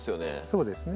そうですね。